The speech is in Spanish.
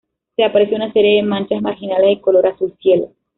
Se aprecian una serie de manchas marginales de color azul cielo.